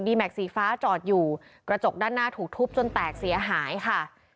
แม็กซีฟ้าจอดอยู่กระจกด้านหน้าถูกทุบจนแตกเสียหายค่ะ